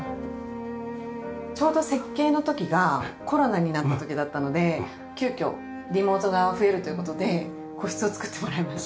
ちょうど設計の時がコロナになった時だったので急きょリモートが増えるという事で個室を作ってもらいました。